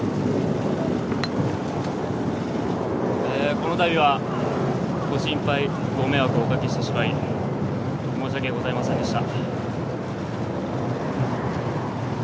このたびは、ご心配、ご迷惑をおかけしてしまい、申し訳ございませんでした。